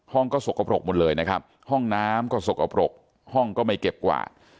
ห้องก็สกปรกหมดเลยนะครับห้องน้ำก็สกปรกห้องก็ไม่เก็บกวาด